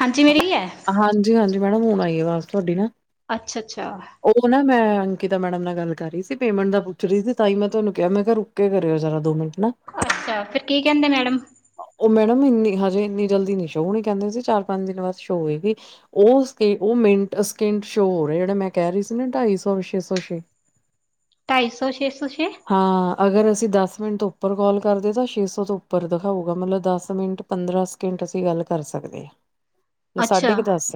ਹਾਂਜੀ ਮੇਰੀ ਹੈ ਹਾਂਜੀ-ਹਾਂਜੀ ਮੈਡਮ ਹੁਣ ਆਈ ਐ? ਆਵਾਜ਼ ਤੁਹਾਡੀ ਨਾ, ਅੱਛਾ ਅੱਛਾ ਉਹ ਨਾ ਮੈਂ ਅੰਕਿਤਾ ਤਾਂ ਮੈਡਮ ਨਾਲ ਗੱਲ ਕਰ ਰਹੀ ਸੀ ਪੇਮੈਂਟ ਦਾ ਪੁੱਛ ਰਹੀ ਸੀ, ਤਾਂ ਹੀ ਮੈਂ ਤੁਹਾਨੂੰ ਕਿਹਾ ਮੈਂ ਕਿਹਾ ਰੁਕ ਕੇ ਕਰਿਓ ਜ਼ਰਾ ਦੋ ਮਿੰਟ ਨਾ ਅੱਛਾ ਫਿਰ ਕੀ ਕਹਿੰਦੇ ਮੈਡਮ ਉਹ ਮੈਡਮ ਇੰਨੀ ਹਜੇ ਇੰਨੀ ਜਲਦੀ ਨੀ ਸ਼ੋ ਨੀ ਕਹਿੰਦੇ ਸੀ ਚਾਰ ਪੰਜ ਦਿਨ ਬਾਅਦ ਸ਼ੋ ਹੋਏਗੀ ਉਹ-ਉਹ ਮਿੰਟ ਸਕਿੰਟ ਸ਼ੋ ਹੋ ਰਿਹਾ ਜਿਹੜਾ ਮੈਂ ਕਹਿ ਰਹੀ ਸੀ ਨਾ ਢਾਈ ਸੌ ਛੇ ਸੌ ਛੇ, ਢਾਈ ਸੌ ਛੇ ਸੌ ਛੇ ਹਾਂ ਅਗਰ ਅਸੀਂ ਦਸ ਮਿੰਟ ਤੋਂ ਉੱਪਰ ਕਾਲ ਕਰਦੇ ਤਾਂ ਛੇ ਸੌ ਤੋਂ ਉੱਪਰ ਦਿਖਾਊਗਾ ਮਤਲਬ ਦਸ ਮਿੰਟ ਪੰਦਰਾਂ ਸਕਿੰਟ ਅਸੀਂ ਗੱਲ ਕਰ ਸਕਦੇ ਹਾਂ। ਅੱਛਾ ਸਾਢੇ ਕੁ ਦਸ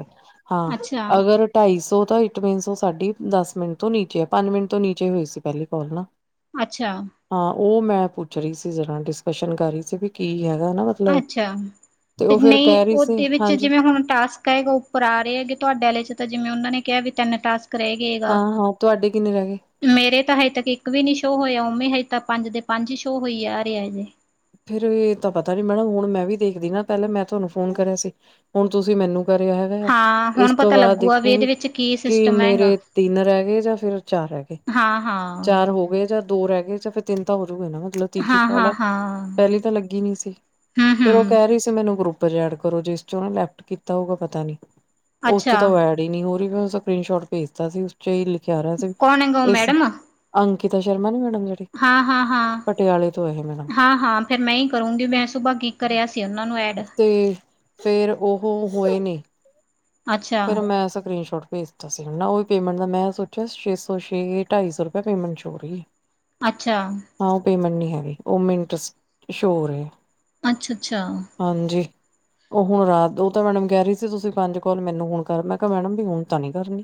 ਹਾਂ ਅੱਛਾ ਅਗਰ ਢਾਈ ਸੌ ਤਾਂ ਇਟ ਮੀਨਸ ਉਹ ਸਾਡੀ ਦਸ ਮਿੰਟ ਤੋਂ ਨੀਚੇ ਆ ਪੰਜ ਮਿੰਟ ਤੋਂ ਨੀਚੇ ਹੋਈ ਸੀ ਪਹਿਲੀ ਕਾਲ ਨਾ ਅੱਛਾ, ਹਾਂ ਉਹ ਮੈਂ ਪੁੱਛ ਰਹੀ ਸੀ ਜਰਾ ਡਿਸਕਸ਼ਨ ਕਰ ਰਹੀ ਸੀ ਵੀ ਕੀ ਹੈ। ਗਾ ਨਾ ਮਤਲਬ ਅੱਛਾ ਤੇ ਉਹ ਫੇਰ ਨਹੀਂ ਕਹਿ ਰਹੀ ਸੀ। ਉਹਦੇ ਵਿੱਚ ਹਾਂਜੀ ਜਿਵੇਂ ਹੁਣ ਟਾਸਕ ਹੈਗਾ ਉੱਪਰ ਆ ਰਹਾ ਹੈਗੇ ਤੁਹਾਡੇ ਆਲੇ ਚ ਤਾ ਜਿਵੇਂ, ਉਹਨਾਂ ਨੇ ਕਿਹਾ ਵੀ ਤਿੰਨ ਟਾਸਕ ਰਹਿ ਗਏਗਾ ਹਾਂ ਹਾਂ ਤੁਹਾਡੇ ਕਿੰਨੇ ਰਹਿ ਗਏ ਮੇਰੇ ਤਾਂ, ਹਜੇ ਤੱਕ ਇੱਕ ਵੀ ਨੀ ਸ਼ੋਅ ਹੋਇਆ। ਮੈਂ ਹਜੇ ਤਾਂ ਪੰਜ ਦੇ ਪੰਜ ਸ਼ੋਅ ਹੋਈ ਆ ਰਿਹਾ ਜੇ। ਫੇਰ, ਇਹ ਤਾਂ ਪਤਾ ਨੀ, ਮੈਡਮ ਹੁਣ ਮੈਂ ਵੀ ਦੇਖਦੀ ਨਾ, ਪਹਿਲਾਂ ਮੈਂ ਤੁਹਾਨੂੰ ਫੋਨ ਕਰਿਆ ਸੀ ਹੁਣ ਤੁਸੀਂ ਮੈਨੂੰ ਭਿਆ ਹੈਗਾ ਆ ਹਾਂ ਇਸ ਹੁਣ ਤੋਂ ਪਤਾ ਬਾਅਦ ਲੱਗੂਗਾ ਵੀ ਦੇਖੂਗੀ ਇਹਦੇ ਵਿੱਚ ਕੀ ਕਿ ਸਿਸਟਮ ਹੈਗਾ ਮੇਰੇ, ਤਿੰਨ ਰਹਿ ਗਏ ਜਾਂ ਫਿਰ ਚਾਰ ਰਹਿ ਗਏ, ਹਾਂ ਹਾਂ ਚਾਰ ਹੋ ਗਏ ਜਾਂ ਦੋ ਰਹਿ ਗਏ ਫਿਰ ਤਿੰਨ ਤਾਂ ਨਾ ਮਤਲਬ ਤੀਜੀ ਹਾਂ ਕੌਲ ਹਾਂ ਐ। ਹਾਂ ਪਹਿਲੀ ਤਾਂ ਲੱਗੀ ਨੀ ਸੀ, ਹਮ ਫਿਰ ਉਹ ਹਮ ਕਹਿ ਰਹੀ ਸੀ ਮੈਨੂੰ ਗ੍ਰੂ ਉਪਰਜੈਡ ਕਰੋ ਜਿਸ'ਚ ਉਹ ਲੈਫਟ ਕੀਤਾ ਹੋਊਗਾ ਪਤਾ ਨੀ। ਉਸ'ਚ ਅੱਛਾ ਤਾਂ ਉਹ ਐਡ ਹੀ ਨਹੀ ਹੋ ਉਹ ਨੂੰ ਸਕਰੀਨ ਸ਼ੋਟ ਭੇਜਤਾ ਸੀ ਉਸ 'ਚ ਹੀ ਲਿ ਖ ਰਿਹਾ ਸੀ ਕੌਣ ਇਸ ਅੰਕ ਗੀਤਾ ਸ਼ਰਮਾ ਨੀ ਓ। ਹਾਂ- ਹਾਂ, ਹਾਂ, ਇਹ ਮੈਡਮ ਹਾਂ- ਹਾਂ ਫਿਰ ਮੈਂ ਹੀ ਕਰੂੰਗੀ ਮੈਂ ਸੁਭਾ ਕੀ ਕਰਿਆ ਸੀ। ਉਹਨਾਂ ਨੂੰ ਐਡ ਤੇ, ਫੇਰ ਉਹ ਹੋਏ ਨੇ। ਅੱਛਾ, ਫਿਰ ਮੈਂ ਸਕਰੀਨ ਸ਼ੋਟ ਭੇਜਤਾ ਸੀ। ਮੈਂ ਉਹੀ ਪੇਮਂਟ ਦਾ ਮੈਂ ਸੋਚਿਆ ਸੀ, ਛੇ-ਸੋ ਛੇ ਢਾਈ- ਸੌ ਰੁਪਏ ਪੇਮੰਟ ਹੋ ਰਹੀ ਹੈ। ਅੱਛਾ। ਹਾਂ ਉਹ ਪੇਮੈਂਟ ਨਹੀਂ ਉਹ ਮਿੰਟਸ ਸ਼ੋਅ ਹੋ ਰਹੇ ਆ। ਅੱਛਾ- ਛ-ਅੱਛਾ। ਉਹ, ਹੁਣ ਰਾਤ ਉਹ ਤਾਂ, ਮੈਡਮ ਕਹਿ ਰਹੀ ਸੀ, ਤੁਸੀਂ ਪੰਜ ਕੌਲ ਮੈਨੂੰ ਮੈਨੂੰ ਹੁਣ ਕਰ, ਮੈਂ ਕਿਹਾ ਮੈਡਮ ਵੀ ਹੁਣ ਤਾਂ ਨੀ ਕਰਨੀ।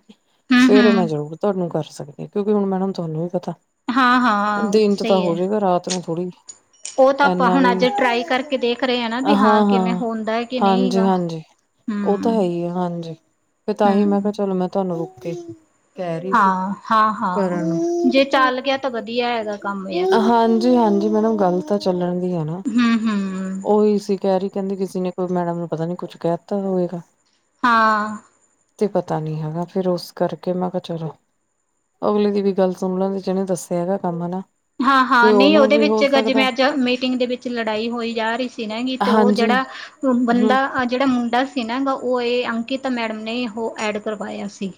ਸਵੇਰੇ ਮੈਂ ਹੂੰ-ਹੂੰ, ਜ਼ਰੂਰ ਤੁਹਾਨੂੰ ਕਰ ਸਕਦੇ ਕਿਉਂਕਿ ਹੁਣ ਮੈਡਮ ਤੁਹਾਨੂੰ ਵੀ ਪਤਾ ਹਾਂ-ਹਾਂ ਦਿਨ'ਚ ਤਾਂ ਸਹੀ ਐ। ਹੋਜੇਂਗਾ ਰਾਤ ਨੂੰ ਥੋੜੀ ਉਹ ਤਾਂ ਆਪਾਂ ਹੁਣ ਅੱਜ ਟਰਾਈ ਕਰਕੇ ਦੇਖ ਰਹੇ ਹ ਨਾ, ਵੀ ਹਾਂ ਕਿਵੇਂ ਹੁੰਦਾ ਹੈ ਕਿ ਨਹੀਂ ਹਾਂਜੀ ਗਾ। ਹੂੰ ਫ ਤਾਂਹੀ ਮੈਂ ਹੂੰ, ਕਿਹਾ ਚਲੋ ਮੈਂ ਤੁਹਾਨੂੰ ਰੁਕ ਅਤੇ ਹਾਂ, ਹਾਂ-ਹਾਂ ਜੇ ਚੱਲ ਗਿਆ ਤਾਂ ਨੂੰ ਵਧੀਆ ਹੈਗਾ ਕੰਮ ਯਾਰ। ਜ ਮੈਮ ਗੱਲ ਤਾਂ ਚੱਲਣ ਉਹੀ ਆ ਨਾ, ਹੂੰ-ਹੂੰ, ਉਹੀ ਸੀ। ਕਹਿ ਰੀ ਕਹਿੰਦੀ ਕਿਸੇ ਨੇ ਕੋਈ ਮੈਡਮ ਨੂੰ ਪਤਾ ਨੀ ਕੁੱਛ ਕਹਿ ਤਾ ਹੋਏਗਾ। ਹਾਂ। ਤੇ ਪਤਾ ਨੀ ਹੈਗਾ। ਫਿਰ ਉਸ ਕਰਕੇ ਮੈਂ ਕਿਹਾ- ਚਲੋ, ਅਗਲੇ ਦੀ ਵੀ ਗੱਲ ਸੁਣ ਲੈਂਦੀ। ਜਿਹਨੇ ਦੱਸਿਆ ਹੈਗਾ ਕੰਮ ਨਾਅ ਹਾਂ- ਹਾਂ, ਨਹੀਂ ਉਹਦੇ ਵਿੱਚ ਗਜ ਮੈਂ ਜਿਵੇਂ ਅੱਜ ਮੀਟਿੰਗ ਦੇ ਵਿੱਚ ਲੜਾਈ ਹੋਈ ਜਾ ਰਹੀ ਸੀ। ਨਾਗੀ ਤੇ ਉਹ ਹਾਂਜੀ ਜਿਹੜਾ, ਮੁੰ ਹੂੰ ਬੰਦਾ, ਜਿਹੜਾ ਮੁੰਡਾ ਸੀ ਨਾ ਗ ਉਏ ਅੰਕਿਤਾ ਮੈਡਮ ਨੇ ਈ ਉਹ ਐਡ ਕਰਵਾਇਆ ਸੀ।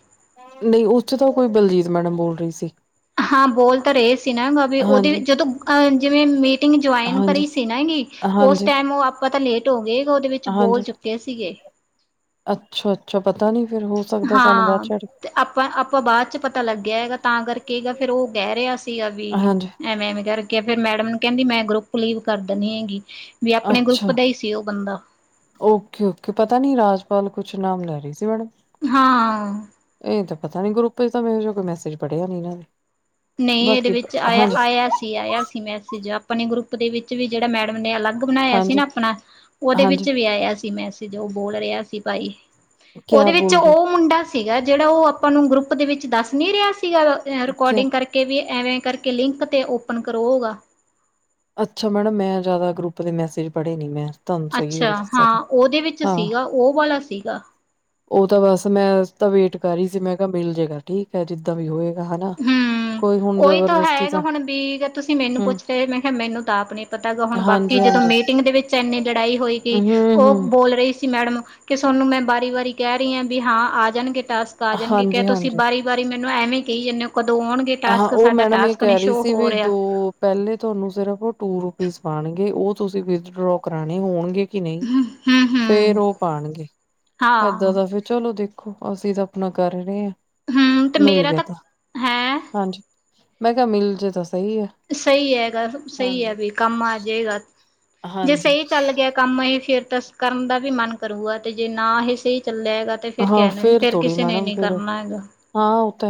ਨਹੀਂ, ਉਸ ਚ ਤਾਂ ਕੋਈ ਬਲਜੀਤ ਮੈਡਮ ਬੋਲ ਰਹੀ ਸੀ। ਹਾਂ, ਬੋਲ ਤਾਂ ਰਹੇ ਸੀ। ਨਾ ਗ ਵੀ ਉਹਦੇ ਹਾਂਜੀ ਜਦੋਂ ਅ ਜਿਵੇਂ ਮੀਟਿੰਗ ਜੁਇਨ ਹਾਂਜੀ ਕਰੀ ਸੀ। ਨਾ ਗ, ਉਸ ਹਾਂਜੀ ਟਾਈਮ ਉਹ ਆਪਾਂ ਤਾਂ ਲੇਟ ਹੋਗੇ। ਉਹਦੇ ਵਿੱਚ ਬੋਲ ਹਾਂਜੀ ਚੁੱਕੇ ਸੀਗੇ। ਅੱਛਾ -ਅੱਛਾ। ਪਤਾ ਨੀ ਫਿਰ ਹੋ ਸਕਦਾ ਸਾਨੂੰ ਬਾਅਦ ਹਾਂ, ਚ ਤੇ ਆਪਾਂ -ਆਪਾਂ ਬਾਅਦ ਚ ਪਤਾ ਲੱਗਿਆ ਹੈਗਾ ਤਾਂ ਕਰਕੇਗਾ। ਫੇਰ ਉਹ ਕਹਿ ਰਿਹਾ ਸੀਗਾ ਵੀ ਹਾਂਜੀ ਐਵੇਂ ਐਵੇਂ ਕਰਹਿ ਕੇ ਫੇਿਰ ਮੈਡਮ ਨੂੰ ਕਹਿੰਦੀ ਮੈਂ ਗਰੁੱਪ ਲਵ ਕਰ ਦਿੰਦੀ ਹੈਗੀ। ਵੀ ਆਪਣੇ ਅੱਛਾ। ਗਰੁੱਪ ਦਾ ਹੀ ਸੀ ਉਹ ਬੰਦਾ ਓਕੇ, ਓਕੇ ਪਤਾ ਨੀ ਰਾਜ ਕੁਛ ਨਾਮ ਲੈ ਰਹੀ ਸੀ। ਮੈਡਮ ਹਾਂ। ਇਹ ਤਾਂ ਪਤਾ ਨੀ ਗਰੁੱਪ ਚ ਮ ਕੋਈ ਮੈਸੇਜ ਪੜਿਆ ਨਹੀਂ ਇਹਨਾਂ ਨੇ ਨਹੀਂ ਇਹਦੇ ਵਿੱਚ ਆਇਆ -ਆਇਆ ਸੀ, ਆਇਆ ਸੀ। ਮੈਂ ਜੋ ਆਪਣੇ ਗਰੁੱਪ ਦੇ ਵਿੱਚ ਵੀ ਜਿਹੜਾ ਮੈਡਮ ਨੇ ਅਲੱਗ ਅੱਗ ਬਣਾਇਆ ਸੀ ਹਾਂਜੀ ਨਾ ਆਪਣਾ, ਉਹਦੇ ਹਾਂਜੀ ਵਿੱਚ ਵੀ ਆਇਆ ਸੀ। ਮੈਂ ਜੋ ਬੋਲ ਰਿਹਾ ਸੀ। ਭਾਈ ਕਿਆ ਉਹਦੇ ਵਿੱਚ ਬੋਲ ਉਹ ਰਹੇ ਮੁੰਡਾ ਸੀਗਾ। ਜਿਹੜਾ ਉਹ ਆਪਾਂ ਨੂੰ ਗਰੁੱਪ ਦੇ ਵਿੱਚ ਦੱਸ ਨੀ ਰਿਹਾ ਸੀ। ਸੀਗਾ। ਕਿਆ ਰਿਕਕਾਰਡਿੰਗ ਕਰਕੇ ਪ ਐਵੇਂ ਕਰਕੇ ਲਿੰਕ 'ਤੇ ਓਪਨ ਕਰੋਗਾ। ਅੱਛਾ। ਮੈਡਮ ਮੈਂ ਜ਼ਿਆਦਾ ਗਰੁੱਪ ਦੇ ਮੈਸੇਜ ਪੜ੍ਹੇ ਨੀ ਮੈਂ ਤੁਹਾਨੂੰ ਸਹੀ ਗੱਲ ਅੱਛਾ ਦੱਸ। ਹਾਂ ਉਹਦੇ ਵਿੱਚ ਹਾਂ, ਸੀਗਾ ਉਹ ਵਾਲਾ ਸੀਗਾ ਉਹ ਤਾਂ ਬਸ ਮੈਂ ਤਾਂ ਵੇਟ ਕਰੀ ਸੀ। ਮੈਂ ਕਿਹਾ ਮਿਲ ਜੇਗਾ, ਠੀਕ ਹੈ ਜਿੱਦਾਂ ਵੀ ਹੋਏ ਹਮ, ਉਓਹੀ ਤਾਂ ਹੈਗਾ। ਹੁਣ ਬੀਕ ਤੁਸੀਂ ਮੈਨੂੰ ਹੂੰ ਪੁੱਛ ਰਹੇ, ਮੈਂ ਕਿਹਾ- ਮੈਨੂੰ ਤਾਂ ਆਪ ਨਹੀਂ ਪਤਾ। ਹੁਣ ਬਾਕੀ ਜਦੋਂ ਹਾਂਜੀ-ਹਾਂਜੀ। ਮੀਟਿੰਗ ਦੇ ਵਿੱਚ ਇੰਨੀ ਲੜਾਈ ਹੋਏਗੀ। ਉਹ ਹੂੰ-ਹੂੰ ਬੋਲ ਰਹੀ ਸੀ। ਮੈਡਮ ਕਿ ਤੁਹਾਨੂੰ ਮੈਂ ਬਾਰੀ ਵਾਰੀ ਕਹਿ ਰਹੀ ਹਾਂ ਵੀ ਹੈ। ਆ ਜਾਣਗੇ ਟਾਸਕ, ਆ ਜਾਣਗੇ, ਕ ਤੁਸੀਂ ਹਾਂਜੀ-ਹਾਂਜੀ ਵਾਰੀ ਵਾਰੀ ਮੇਨ ਨਾ ਐਵੀ ਕਿਹੀ ਜਾਂਦੇ ਹਾਂ, ਉਹ ਮੈਡਮ ਇਹ ਟਾਸਕ ਨੀ ਕਹਿ ਰਹੀ ਸ਼ੋਅ ਸੀ। ਹੋ ਵੀ ਰਿਹਾ। ਦੋ ਪਹਿਲੇ ਤੁਹਾਨੂੰ ਸਿਰਫ ਉਹ ਟੂਰ ਪੀਸ ਪਾਉਣਗੇ ਉਹ ਤੁਸੀਂ ਵਿਡ੍ਰੋ ਕਰਾਉਣੇ ਹੋਣਗੇ ਕਿ ਨਹੀਂ ਫੇਰ ਹੂੰ-ਹੂੰ ਉਹ ਪਾਉਣਗੇ ਹਾਂ ਏਦਾਂ ਦਾ ਫੇਰ ਚਲੋ ਦੇਖੋ ਅਸੀਂ ਤਾਂ ਆਪਣਾ ਕਰ ਰਹੇ ਹਾਂ। ਹਮ ਤੇ ਮਿਲ ਮੇਰਾ ਗਿਆ ਤਾਂ ਹੈ ਹਾਂਜੀ ਮੈਂ ਕਿਹਾ ਮਿਲ ਜੇ ਦੱਸ ਸਹੀ ਹੈਗਾ ਸਹੀ ਹੈ ਵੀ ਕੰਮ ਆ ਜਾਏਗਾ। ਜੇ ਹਾਂਜੀ ਸਹੀ ਚੱਲ ਗਿਆ ਕੰਮ ਹੀ ਫਿਰ ਤਾਂ ਕਰਨ ਦਾ ਵੀ ਮਨ ਕਰੂਗਾ ਤੇ ਜੇ ਨਾ ਇਹ ਸਹੀ ਚੱਲਿਆ ਤੇ ਫਿਰ ਹਾਂ ਕਹਿਣਾ ਫੇਰ ਫਿਰ ਕਿਸੇ ਨੇ ਨੀ ਕਰਨਾ ਹੈਗਾ। ਤ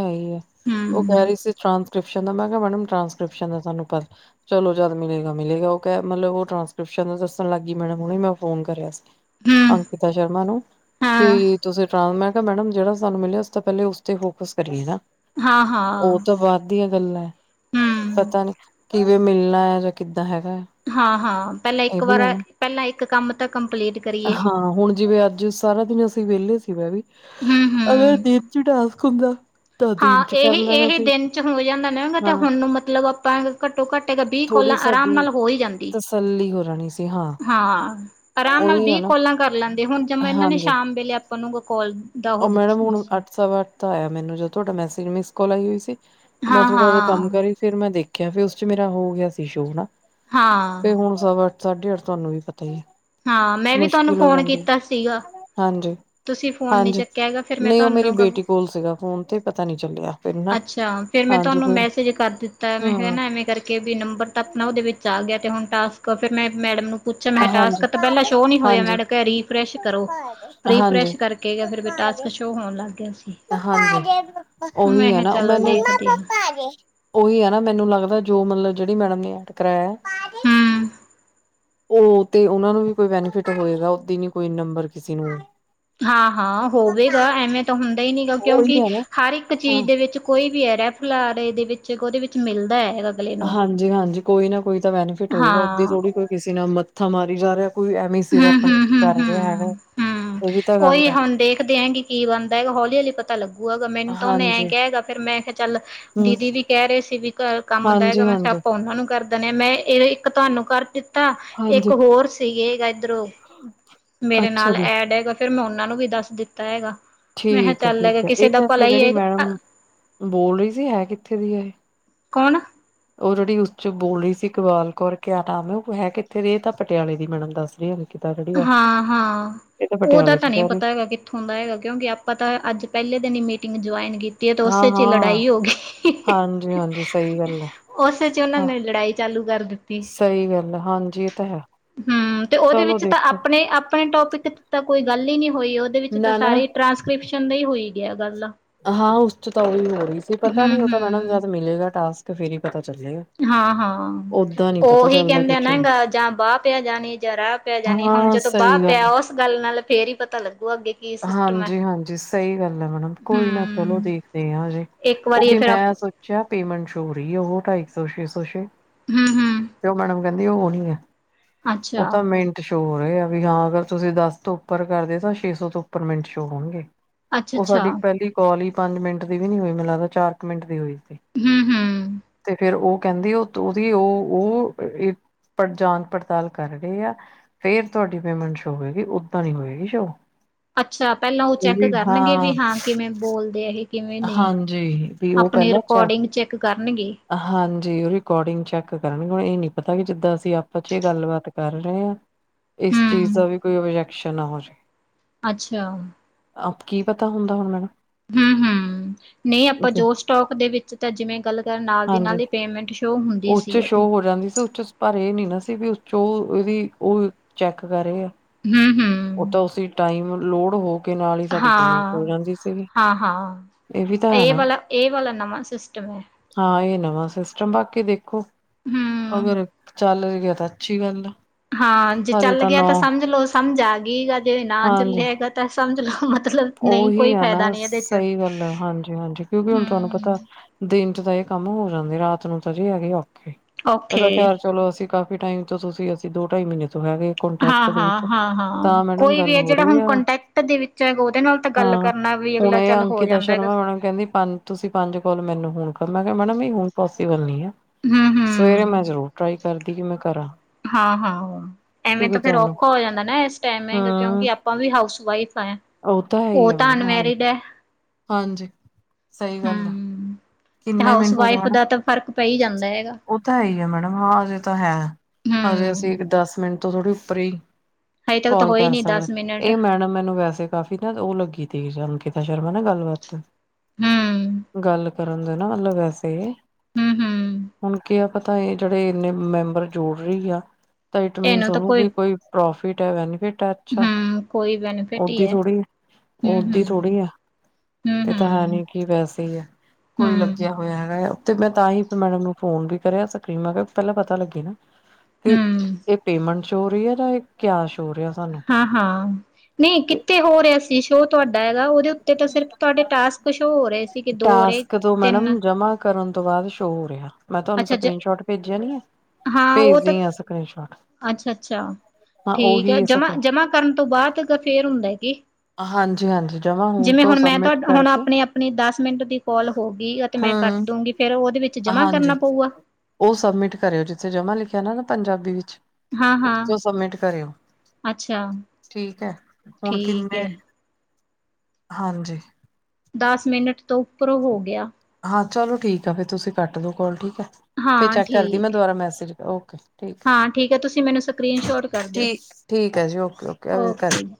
ਉਹ ਕਹਿ ਹੂੰ ਰਹੀ ਸੀ ਸ਼ਾਮ ਕ੍ਰਿਪਸ਼ਨ ਦਾ ਮੈਂ ਕਿਹਾ ਮੈਡਮ ਟਰਾਂਕ੍ਰਿਪਸ਼ਨ ਦਾ ਸਾਨੂੰ ਪਤਾ ਚਲੋ ਜਦ ਮਿਲੇਗਾ ਮਿਲੇਗਾ ਉਹ ਕਹਿ ਮਤਲਬ ਉਹ ਟਰਾਂਸਕ੍ਰਿਪਸ਼ਨ ਦਾ ਦੱਸਣ ਲੱਗ ਗਈ ਮੈਡਮ ਹੁਣੇ ਮੈਂ ਫੋਨ ਕਰਿਆ ਸੀ। ਹੂੰ ਅੰਕਿਤਾ ਸ਼ਰਮਾ ਨੂੰ ਹਾਂ ਕਿ ਮੈਂ ਕਿਹਾ ਮੈਡਮ ਜਿਹੜਾ ਸਾਨੂੰ ਮਿਲਿਆ ਉਸ ਤਾਂ ਪਹਿਲੇ ਉਸਤੇ ਫੋਕਸ ਕਰੀਏਦਾ ਹਾਂ ਹਾਂ ਦੀਆਂ ਗੱਲਾਂ ਹੈ ਹੂੰ ਪਤਾ ਨਹੀਂ ਕਿਵੇਂ ਮਿਲਣਾ ਹੈ ਜਾਂ ਕਿ ਹਾਂ ਹਾਂ ਪਹਿਲਾਂ ਇੱਕ ਵਾਰ ਹੈ ਨਾ ਪਹਿਲਾਂ ਇੱਕ ਕੰਮ ਤਾਂ ਕੰਪਲੀਟ ਕਰੀਏ। ਫਿਰ ਵਹਲੇ ਸੀ ਮੈਂ ਵੀ ਹਮ ਅਗਰ ਹਮ ਦਿਨ ਚ ਟਾਸਕ ਹੁੰਦਾ ਤਾਂ ਦਿਨ ਹਾਂ ਚ ਕਰ ਇਹੀ ਲੈਣਾ ਇਹੀ ਸੀ ਦਿਨ ਚ ਹੋ ਜਾਂਦਾ ਨਾ ਤੇ ਹਾਂ ਹੁਣ ਮਤਲਬ ਆਪਾਂ ਘੱਟੋ ਘੱਟ ਵੀਹ ਥੋੜ੍ਹੀ ਕੋਲਾਂ ਆਰਾਮ ਸਾਡੀ ਨਾਲ ਹੋ ਹੀ ਜਾਂਦੀ। ਤਸੱਲੀ ਹੋ ਜਾਣੀ ਸੀ ਹਾਂ ਆਰਾਮ ਨਾਲ ਉਹੀ ਆ ਵੀਹ ਨਾ ਕੋਲਾਂ ਕਰ ਲੈਂਦੇ ਹੁਣ ਜਵੇ ਇਹਨਾਂ ਨੇ ਹਾਂਜੀ ਸ਼ਾਮ ਵੇਲੇ [unintelligible] ਦਾ ਉਹ ਦਿੱ ਮੈਡਮ ਹੁਣ ਦੱਸਿਆ ਅੱਠ ਸਵਾ ਅੱਠ ਦਾ ਆਇਆ ਮੈਨੂੰ ਜਦੋਂ ਤੋਹਾਡਾ ਮੈਸੇਜ ਮਿਸ ਕੌਲ ਆਈ ਦੀ ਸੀ। ਮੈਂ ਥੋੜਾ ਉਹਦਾ ਹਾਂ-ਹਾਂ, ਕੰਮ ਹਾਂ। ਕਰੀ ਫਿਰ ਮੈਂ ਦੇਖੀ ਕਿਆ ਫਿਰ ਉਸ ਚ ਮੇਰਾ ਹੋ ਗਿਆ ਸੀ ਸ਼ੋ ਣਾ ਤੇ ਹਾਂ ਹੁਣ ਸਭ ਸਾਢੇ ਅੱਠ ਤੁਹਾਨੂੰ ਵੀ ਪਤਾ ਹੀ ਹੈ ਹਾਂ ਮੈਂ ਵੀ ਤੁਹਾਨੂੰ ਮੁਸ਼ਕਿਲ ਹੋ ਫੋਨ ਜਾਂਦੀ ਹੈ ਕੀਤਾ ਸੀਗਾ ਹਾਂਜੀ ਤੁਸੀ ਫੋਨ ਨੀ ਹਾਂਜੀ ਚੱਕਿਆ ਹੈਗਾ ਫਿਰ ਮੈਂ ਨਹੀਂ ਉਹ ਮੇਰੀ ਤੁਹਾਨੂੰ ਬੇਟੀ ਕੋਲ ਸੀਗਾ ਫੋਨ ਤੇ ਪਤਾ ਨੀ ਚੱਲਿਆ ਫਿਰ ਨਾ ਅੱਛਾ ਫਿਰ ਮੈਂ ਹਾਂਜੀ ਤੁਹਾਨੂੰ ਫਿਰ ਮੈਸੇਜ ਕਰ ਦਿੱਤਾ ਮੈਂ ਹਗਾ ਹਮ ਨਾ ਐਵੇਂ ਕਰਕੇ ਵੀ ਨੰਬਰ ਤ ਆਪ ਨਾ ਉਹਦੇ ਵਿੱਚ ਆ ਗਿਆ ਤੇ ਹੁਣ ਟਾਸਕ ਫਿਰ ਮੈਂ ਮੈਡਮ ਨੂੰ ਪੁੱਛਿਆ ਮੈਂ ਕਿਹਾ ਹਾਂਜੀ ਟਾਸਕ ਤਾਂ ਪਹਿਲਾਂ ਸ਼ੋਅ ਨੀ ਹੋਇਆ ਮੈਂ ਹਾਂਜੀ ਕਿਹਾ ਰੀਫਰੈਸ਼ ਕਰੋ। ਹਾਂਜੀ ਰੀਫਰੈਸ਼ ਕਰਕੇ ਗਿਆ ਫਿਰ ਵੀ ਹਾਂਜੀ ਟਾਸਕ ਸ਼ੋਅ ਹੋਣ ਲੱਗ ਗਿਆ ਸੀ। ਓਹੀ ਮੈਂ ਹੈ ਕਿਹਾ ਨਾ ਚਲੋ ਮੈਨੂੰ ਦੇਖਦੇ ਆ, ਓਹੀ ਹੈ ਨਾ ਮੈਨੂੰ ਲੱਗਦਾ। ਜੋ ਮਤਲਬ ਜਿਹੜੀ ਮੈਡਮ ਨੇ ਐਡ ਕਰਾਇਆ ਹੂੰ। ਉਹ ਤੇ ਉਹਨਾ ਨੂੰ ਵੀ ਕੋਈ ਬੈਨੀਫਿਟ ਹੋਏਗਾ ਉਹ ਓਦੀ ਨੀ ਕੋਈ ਨੰਬਰ ਕਿਸੇ ਨੂੰ ਹਾਂ ਹਾਂ ਹੋਵੇਗਾ ਐਵੇਂ ਤਾਂ ਹੁੰਦਾ ਹੀ ਨਹੀਂ ਗਾ ਉਹੀ ਕਿਉਂਕਿ ਹੈ ਨਾ ਹਰ ਇੱਕ ਹਾਂ ਚੀਜ਼ ਦੇ ਵਿੱਚ ਕੋਈ ਵੀ ਹੈ ਬੁਲਾਰੇ ਦੇ ਵਿੱਚ ਉਹਦੇ ਵਿੱਚ ਮਿਲਦਾ ਹੈਗਾ। ਹਾਂਜੀ ਹਾਂਜੀ ਕੋਈ ਨਾ ਕੋਈ ਤਾਂ ਬੈਨੀਫਿਟ ਹੋਏਗਾ ਓਦੀ ਹਾਂ ਥੋੜੀ ਕੋਈ ਕਿਸੇ ਨਾ ਮੱਥਾਂ ਮਾਰੀ ਜਾ ਰਿਹਾ ਕੋਈ ਐਵੇਂ ਸਿਰ ਆਪਣੇ ਕਰ ਹੂੰ-ਹੂੰ-ਹੂੰ-ਹੂੰ ਰਿਹਾ ਹੈਗਾ ਹੂੰ ਇਹ ਵੀ ਤਾਂ ਗੱਲ ਉਹੀ ਹੈ ਹੁਣ ਦੇਖਦੇ ਆਂ ਕਿ ਕੀ ਬਣਦਾ ਹੈਗਾ ਹੌਲੀ ਹਲੀ ਪਤਾ ਲੱਗੂਗਾ ਮੈਨੂੰ ਤਾਂ ਉਹਨੂੰ ਐਂ ਹਾਂਜੀ ਕ ਹੈਗਾ ਫਿਰ ਮੈਂ ਚੱਲ ਹਮ ਦੀਦੀ ਵੀ ਕਹਿ ਰਹੇ ਸੀ ਵੀ ਕੰਮ ਦਾ ਹੈਗਾ ਹਾਂਜੀ ਮੈਸੇ ਹਾਂਜੀ ਆਪਾਂ ਉਹਨਾ ਨੂੰ ਕਰਦੇ ਮੈਂ ਇਹ ਇੱਕ ਤੁਹਾਨੂੰ ਕਰ ਤਾਂ ਇੱਕ ਹਾਂਜੀ ਹੋਰ ਸੀਗੇ ਇਧਰੋਂ ਮੇਰੇ ਅੱਛਾ ਨਾਲ ਜੀ ਐਡ ਹੈਗਾ ਫਿਰ ਮੈਂ ਉਹਨਾਂ ਨੂੰ ਵੀ ਦੱਸ ਦਿੱਤਾ ਹੈਗਾ। ਮੈਂ ਕਿਹਾ ਠੀਕ ਹੈ ਚੱਲ ਹੈਗਾ ਠੀਕ ਹੈ ਕਿਸੇ ਇਹ ਦਾ ਭਲਾ ਵੈਸੇ ਹੀ ਜਿਹੜੀ ਹੈਗਾ ਮੈਡਮ ਬੋਲ ਰਹੀ ਸੀ ਹੈ ਕਿੱਥੇ ਦੀ ਹੈ ਇਹ ਕੌਣ ਉਹ ਜਿਹੜੀ ਉਸ ਚ ਬੋਲ ਰਹੀ ਸੀ ਇਕਬਾਲ ਕੌਰ ਕਿਆ ਨਾਮ ਹੈ ਉਹ ਹੈ ਕਿੱਥੇ ਰਹੇ ਤਾਂ ਪਟਿਆਲੇ ਦੀ ਮੈਡਮ ਦੱਸ ਰਹੀ। ਜਿਹੜੀ ਆ ਹਾਂ ਹਾਂ ਇਹ ਉਹ ਤਾਂ ਪਟਿਆਲੇ ਚ ਤਾਂ ਨਹੀਂ ਕਹਿ ਰਹੀ ਪਤਾ ਹੈਗਾ ਕਿੱਥੋਂ ਦਾ ਹੈਗਾ ਕਿਉਂਕਿ ਆਪਾਂ ਤਾਂ ਅੱਜ ਪਹਿਲੇ ਦਿਨ ਹੀ ਮੇਰੀ ਜੋਆਇਨ ਕੀਤੀ ਤੇ ਹਾਂ ਉਸੇ ਚ ਹਾਂ ਲੜਾਈ ਹੋ ਗਈ ਹਾਂਜੀ ਹਾਂਜੀ ਸਹੀ ਗੱਲ ਆ ਉਸੇ ਚ ਉਹਨਾਂ ਹਾਂ ਨੇ ਲੜਾਈ ਚਾਲੂ ਕਰ ਦਿੱਤੀ। ਸਹੀ ਗੱਲ ਆ, ਹਾਂਜੀ ਤਾਂ ਹੈ ਹੂੰ ਤੇ ਉਹਦੇ ਚਲੋ ਵਿੱਚ ਤਾਂ ਦੇਖੋ ਆਪਣੇ ਆਪਣੇ ਟੋਪਿਕ ਤੇ ਕੋਈ ਗੱਲ ਹੀ ਨਹੀਂ ਹੋਈ ਉਹਦੇ ਵਿੱਚ ਤਾਂ ਨਾ ਨਾ ਸਾਰੀ ਟਰਾਂਸਕ੍ਰਿਪਸ਼ਨ ਦੀ ਹੋਈ ਵਧੀਆ ਗੱਲ ਆ। ਹਾਂ ਉਸ ਚ ਤਾਂ ਉਹੀ ਹੋ ਰਹੀ ਸੀ ਪਤਾ ਨੀ ਉਹ ਹਮ ਤਾਂ ਮੈਡਮ ਹਮ ਜਦ ਮਿਲੇਗਾ ਟਾਸਕ ਤੇ ਫੇਰ ਪਤਾ ਚੱਲੇਗਾ ਹਾਂ ਹਾਂ ਓਦਾਂ ਨੀ ਪਤਾ ਉਹੀ ਚੱਲਦਾ ਕਹਿੰਦੇ ਕੁਛ ਨਾ ਗਾ ਜਾਂ ਬਾਹ ਪਿਆ ਜਾਣੀ ਜਾਂ ਰਾਹ ਪਿਆ ਜਾਣੀ ਹੁਣ ਹਾਂ ਜਦੋਂ ਬਾਹ ਸਹੀ ਗੱਲ ਪਿਆ ਉਸ ਗੱਲ ਨਾਲ ਫੇਰ ਹੀ ਪਤਾ ਲੱਗੂਗਾ ਅੱਗੇ ਕੀ ਆ, ਸਿਸਟਮ ਹੈ। ਹਾਂਜੀ ਹਾਂਜੀ ਸਹੀ ਗੱਲ ਹੈ ਮੈਡਮ ਕੋਈ ਨਾ ਚਲੋ ਹਮ ਦੇਖਦੇ ਹ ਹਜੇ ਇੱਕ ਵਾਰੀ ਇਹ ਉਹਗੇ ਫਿਰ ਆਪ ਮੈਂ ਸੋਚਿਆ ਪੇਮੈਂਟ ਸ਼ੌ ਹੋ ਰਹੀ ਹੈ ਉਹ ਤੇ ਇੱਕ ਸੌ ਛੇ ਸੌ ਛੇ। ਹੂੰ ਹੂੰ ਕਿਉ ਮੈਡਮ ਕਹਿੰਦੇ ਉਹ ਨਈ ਹੈ। ਉਹ ਅੱਛਾ ਤਾਂ ਮਿੰਟ ਸੋ ਚੋ ਰਹੇ ਆ ਵੀ ਹਾਂ ਅਗਰ ਤੁਸੀਂ ਦਸ ਤੋਂ ਉੱਪਰ ਕਰਦੇ ਤਾਂ ਛੇ ਸੌ ਤੋਂ ਉੱਪਰ ਮਿੰਟ ਸ਼ੋਅ ਹੋਣਗੇ। ਅੱਛਾ-ਅੱਛਾ। ਕੌਲ ਹੀ ਪੰਜ ਮਿੰਟ ਦੀ ਵੀ ਨੀ ਹੋਈ ਮੈਨੂੰ ਲੱਗਦਾ ਚਾਰ ਕੁ ਮਿੰਟ ਦੀ ਹੋਈ। ਸੀ ਹੂੰ, ਹੂੰ। ਤੇ ਫੇਰ ਉਹ ਕਹਿੰਦੀ ਉਹ ਉਹਦੀ ਉਹ ਉਹ ਪ ਜਾਂਚ ਪੜਤਾਲ ਕਰ ਰਹੇ ਆ ਫੇਰ ਤੁਹਾਡੀ ਪੇਮੈਂਟ ਸ਼ੋ ਹੋਵੇਗੀ ਓਦਾਂ ਨ ਹੋਏਗੀ ਸ਼ੋ ਅੱਛਾ ਪਹਿਲਾਂ ਉਹ ਚੈੱਕ ਕਰਨਗੇ ਵੀ ਹਾਂ। ਕਿਵੇਂ ਬੋਲਦੇ ਐਹੇ। ਹਾਂਜੀ ਵੀ ਉਹ ਪਹਿਲਾਂ ਚੈਕ, ਰਿਕੋਡਿੰਗ ਚੈੱਕ ਕਰਨਗੇ ਹਾਂਜੀ ਉਹ ਰਿਕੋਡਿੰਗ ਚੈੱਕ ਕਰਨਗੇ। ਹੁਣ ਇਹ ਨੀ ਪਤਾ ਕਿ ਜਿੱਦਾਂ ਅਸੀਂ ਆਪਾਂ ਚ ਗੱਲਬਾਤ ਕਰ ਰਹੇ ਹਾਂ। ਇਸ ਚੀਜ਼ ਹੂੰ ਦਾ ਵੀ ਕੋਈ ਓਬ ਸ਼ਨਾ ਬਸ ਅੱਛਾ, ਕੀ ਪਤਾ ਹੁੰਦਾ ਹੁਣ ਮੈਨੂੰ ਹੂੰ-ਹੂੰ, ਨਹੀਂ ਆਪਾਂ ਜੋਸ ਟੋਕ ਦੇ ਵਿੱਚ ਤਾਂ ਜਿਵੇਂ ਗੱਲ ਕਰ ਨਾਲ ਦੀ ਨਾਲ ਹਾਂਜੀ ਹੀ ਪੇਮੈਂਟ ਸ਼ੋਅ ਹੁੰਦੀ ਉਸ ਚ ਸੀ, ਉਹਦੀ। ਸ਼ੋਅ ਚੋ ਇਹਦੀ ਉਹ ਚੈੱਕ ਕਰ ਰਹੇ ਆ। ਹੂੰ-ਹੂੰ, ਉਹ ਤਾਂ ਉਸੀ ਟਾਈਮ ਲੋਡ ਹੋ ਕੇ ਨਾਲ ਹੀ ਸਾਡੀ ਪੇਮੈਂਟ ਹਾਂ, ਹੋ ਜਾਂਦੀ ਸੀਗੀ ਹਾਂ, ਹਾਂ, ਵੀ ਤਾਂ ਹੈ ਇਹ ਨਾ ਵਾਲਾ ਇਹ ਵਾਲਾ ਨਵਾਂ ਸਿਸਟਮ ਹੈ। ਹਾਂ ਇਹ ਨਵਾਂ ਸਿਸਟਮ ਬਾਕੀ ਦੇਖੋ ਹੂੰ ਅਗਰ ਚੱਲ ਐ ਤਾਂ ਅੱਛੀ ਗੱਲ ਐ। ਹਾਂ ਜੇ ਚੱਲ ਗਿਆ ਤਾਂ ਸਮਝ ਲਓ ਸਾ ਸਮਝ ਆਗੀ ਆ ਜੇ ਨਾ ਹਾਂਜੀ ਚੱਲਿਆ ਹੈਗਾ ਤਾ ਸਮਝ ਲੋ ਉਹੀ ਆ ਨਾ ਸਹੀ ਗੱਲ ਹੈ ਹਾਂਜੀ-ਹਾਂਜੀ ਕਿਉਂਕਿ ਹੁਣ ਤੁਹਾਨੂੰ ਹਮ ਪਤਾ ਦਿਨ ਤਾਂ ਇਹ ਕੰਮ ਹੋ ਜਾਂਦੇ ਰਾਤ ਨੂੰ ਤਾਂ ਜੇ ਹੈਗੇ। ਓਕੇ ਇਹਦਾ ਖੈਰ ਚਲੋ ਅਸੀਂ ਕਾਫੀ ਟਾਈਮ ਤੋਂ ਤੁਸੀਂ ਅਸੀਂ ਦੋ ਢਾਈ ਮਹੀਨੇ ਤੋਂ ਹੈਗੇ ਹਾਂ, ਕੰਟੈਕਟ ਦੇ ਹਾਂ, ਵਿੱਚ ਹਾਂ, ਹਾਂ, ਤਾਂ ਮੈਡਮ ਕੋਈ ਗੱਲ ਵੀ ਹੈ ਹੋ ਜਿਹੜਾ ਰਹੀ ਹੁਣ ਆ ਕੰਟੈਕਟ ਦੇ ਵਿੱਚ ਐ ਹਾਂ ਹੁਣ ਇਹ ਹੋ ਅੰਕਿਤਾ ਜਾਂਦਾ ਹੈਗਾ ਸ਼ਰਮਾ ਮੈਂ ਕਹਿੰਦੀ ਪੰਜ ਤੁਸੀਂ ਪੰਜ ਕੌਲ ਮੈਨੂੰ ਹੁਣ ਮੈਂ ਕਿਹਾ ਮੈਡਮ ਵੀ ਹੁਣ ਪੋਸੀਬਲ ਨਹੀਂ ਐ। ਹਮ ਸਵੇਰੇ ਹਮ ਮੈਂ ਜ਼ਰੂਰ ਟਰਾਈ ਕਰਦੀ ਕਿ ਮੈਂ ਕਰਾਂ, ਹਾਂ ਹਾਂ ਐਵੇਂ ਕਿਉਂਕਿ ਤਾਂ ਫਿਰ ਤੁਹਾਨੂੰ ਔਖਾ ਹੋ ਜਾਂਦਾ ਨਾ ਇਸ ਟੈਮ ਹਮ ਕਿਉਂਕਿ ਆਪਾਂ ਵੀ ਹਾਊਸ ਵਾਈਫ ਆ। ਹੈ ਹੀ ਉਹ ਆ ਤਾਂ ਮੈਡਮ ਅਨਮੈਰਿਡ ਹਾਂਜੀ ਹੈ। ਹਾਂਜੀ ਸਹੀ ਗੱਲ ਆ। ਹਮ ਕਿੰਨੇ ਹਾਊਸ ਮਿੰਟ ਹੋ ਵਾਈਫ ਜਾਣਾ ਦਾ ਤਾਂ ਫ਼ਰਕ ਪੈ ਹੀ ਜਾਂਦਾ ਹੈਗਾ ਉਹ ਤਾਂ ਹੈ ਹੀ ਆ ਮੈਡਮ ਹਾਂ ਹਜੇ ਤਾਂ ਹੈ ਹਜੇ ਹਮ ਅਸੀਂ ਇੱਕ ਦਸ ਮਿੰਟ ਉੱਤੋਂ ਥੋੜ੍ਹੀ ਫ੍ਰੀ, ਹਜੇ ਤੱਕ ਤਾਂ ਕਾਲ ਹੋਏ ਕਰ ਨੀ ਸਕਦਾ, ਦਸ ਮਿੰਟ ਇਹ ਮੈਡਮ ਮੈਨੂੰ ਵੈਸੇ ਕਾਫੀ ਨਾ ਉਹ ਲੱਗੀ ਤਿਗੀ ਚੱਲ ਸ਼ਰਮਾ ਨਾਲ ਗੱਲ [unintelligible] ਹੂੰ ਕਰਨ ਦੇ ਨਾ ਮਤਲਬ ਵੈਸੇ ਹੁਣ ਕਿਆ ਪਤਾ ਤਾਂ ਇਹ ਜਿਹੜੇ ਇੰਨੇ ਮੈਂਬਰ ਜੋੜ ਰਹੀ ਆ ਤਾਂ ਇਟ ਮੀਨਸ ਉਹਨੂੰ ਵੀ ਕੋਈ ਪ੍ਰੋਫਿਟ ਹੈ ਬੈਨੀਫਿਟ ਹੈ ਅੱਛਾ ਓਦੀ ਥੋੜੀ ਓਦੀ ਥੋੜੀ ਆ ਇਹ ਤਾਂ ਹੈ ਨੀ ਕੀ ਵੈਸੇ ਹੀ ਹੈ ਕੋਈ ਲੱਗਿਆ ਹੋਇਆ ਹੈਗਾ ਓ ਤੇ ਮੈਂ ਤਾਂ ਹੀ ਮੈਡਮ ਨੂੰ ਫੋਨ ਵੀ ਕਰਿਆ ਸੀ ਮੈਂ ਕਿਹਾ ਪਹਿਲਾਂ ਪਤਾ ਲੱਗੇ ਨਾ ਤੇ ਇਹ ਪੇਮੈਂਟ ਚ ਹੋਰੀ ਆ ਦਾ ਏ ਕਿਆਸ ਹਾਂ ਹਾਂ ਨਹੀਂ ਤੇ ਕਿੱਥੇ ਹੋ ਰਿਹਾ ਸੀ ਸ਼ੋਅ ਤੁਹਾ ਹੈਗਾ ਉਹਦੇ ਉੱਤੇ ਤਾਂ ਸਿਰਫ ਤੁਹਾਡੇ ਟਾਸਕ ਸ਼ੋਅ ਹੋ ਰਹੇ ਸੀ ਕਿ ਦੋ ਹੋ ਰਹੇ ਟਾਸਕ ਤੋਂ ਤਿੰਨ ਮੈਡਮ ਜਮਾ ਕਰਨ ਤੋਂ ਬਾਅਦ ਸ਼ੋਅ ਹੋ ਰਿਹਾ ਮੈਂ ਤੁਹਾਨੂੰ ਅੱਛਾ ਜ ਸਕਰੀਨ ਸ਼ੋਟ ਭੇਜਿਆ ਨੀ ਹੈ ਹਾਂ ਉਹ ਤਾਂ ਭੇਜਦੀ ਆ ਸਕਰੀਨ ਸ਼ੋਟ ਅੱਛਾ ਅੱਛਾ ਹਾਂ ਠੀਕ ਆ ਉਹੀ ਸਕਰੀਨ ਜਮਾ ਜਮਾ ਕਰਨ ਤੋਂ ਬਾਅਦ ਫੇਰ ਹੁੰਦਾ ਹੈ ਕੀ ਜੀ ਹਾਂਜੀ ਜਿਵੇਂ ਹੁਣ ਮੈਂ ਤੁਹਾ ਹੁਣ ਆਪਣੀ ਆਪਣੀ ਦੱਸ ਮਿੰਟ ਦੀ ਕੋਲ ਹੋ ਗਈ ਆ ਤੇ ਮੈਂ ਕੱਟ ਹੂੰ। ਦਊਗੀ ਫਿਰ ਉਹਦੇ ਵਿੱਚ ਜਮਾਂ ਕਰਨਾ ਹਾਂਜੀ ਪਊਗਾ ਉਹ ਸਬਮਿਟ ਕਰਿਓ ਜਿੱਥੇ ਜਮਾ ਲਿਖਿਆ ਨਾ ਪੰਜਾਬੀ ਵਿੱਚ ਹਾਂ-ਹਾਂ ਉਸਚੋ ਸਬਮਿਟ ਕਰਿਓ ਅੱਛਾ ਠੀਕ ਹੈ ਹੁਣ ਠੀਕ ਕਿੰਨੇ ਹੈ ਹਾਂਜੀ ਦਸ ਮਿੰਨਟ ਤੋਂ ਉੱਪਰੋਂ ਹੋ ਗਿਆ ਹਾਂ ਚਲੋ ਠੀਕ ਆ ਫਿਰ ਤੁਸੀਂ ਕੱਟ ਦੋ ਕੋਲ ਠੀਕ ਫੇਰ ਹਾਂ ਚੈੱਕ ਕਰਦੀ ਮੈਂ ਠੀਕ ਹੈ ਦੁਬਾਰਾ ਮੈਸੇਜ ਓਕੇ। ਠੀਕ। ਹਾਂ ਠੀਕ ਐ, ਤੁਸੀਂ ਮੈਨੂੰ ਸਕਰੀਨ ਸ਼ੋਟ ਕਰ ਦਿਓ ਠੀਕ। ਠੀਕ ਐ ਜੀ ਓਕੇ-ਓਕੇ ਕਰ ਓਕੇ ਜੀ।